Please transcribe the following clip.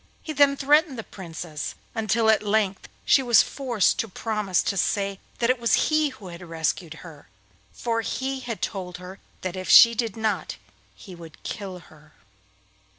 He then threatened the Princess, until at length she was forced to promise to say that it was he who had rescued her, for he told her that if she did not he would kill her.